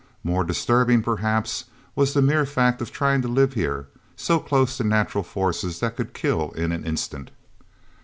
More disturbing, perhaps, was the mere fact of trying to live here, so close to natural forces that could kill in an instant.